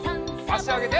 あしあげて。